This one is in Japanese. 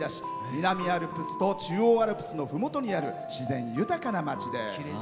南アルプスと中央アルプスのふもとにある自然豊かな街です。